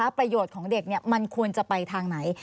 ประโยชน์ของเด็กมันควรจะไปทางไหน